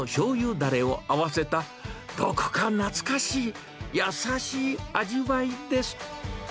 だれを合わせた、どこか懐かしい優しい味わいです。